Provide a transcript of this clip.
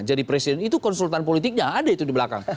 jadi presiden itu konsultan politiknya ada itu di belakang